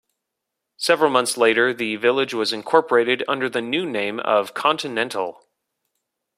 Several months later, the village was incorporated under the new name of Continental.